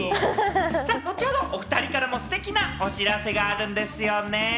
後ほど、お２人からもステキなお知らせがあるんですよね。